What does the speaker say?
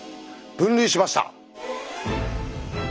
分類しました。